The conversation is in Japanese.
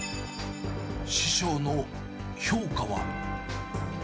師匠の評価は？